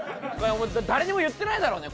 本当誰にも言ってないだろうね？